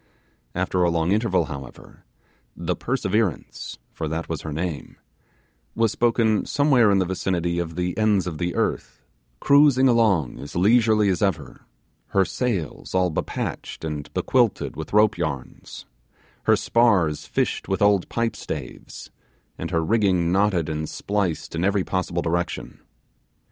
After a long interval, however, 'The Perseverance' for that was her name was spoken somewhere in the vicinity of the ends of the earth, cruising along as leisurely as ever, her sails all bepatched and be quilted with rope yarns, her spars fished with old pipe staves, and her rigging knotted and spliced in every possible direction.